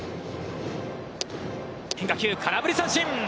変化球、空振り三振。